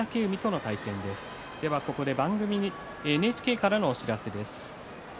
ここでＮＨＫからのお知らせです。